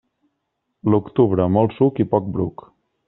L'octubre, molt suc i poc bruc.